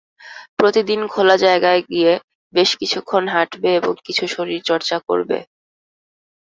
প্রতিদিন খোলা জায়গায় গিয়ে বেশ কিছুক্ষণ হাঁটবে এবং কিছু শরীরচর্চা করবে।